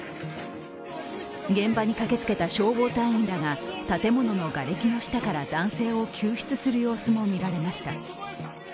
現場に駆けつけた消防隊員らが建物のがれきの下から男性を救出する様子も見られました。